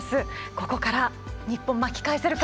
ここから、日本まき返せるか。